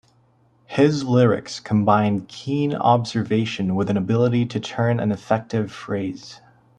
His lyrics combined keen observation with an ability to turn an effective phrase.